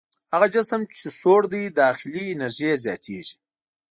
هغه جسم چې سوړ دی داخلي انرژي یې زیاتیږي.